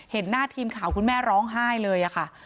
เห็นหน้าทีมข่าวคุณแม่ร้องไห้เลยค่ะ